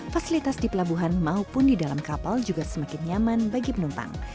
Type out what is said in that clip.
fasilitas di pelabuhan maupun di dalam kapal juga semakin nyaman bagi penumpang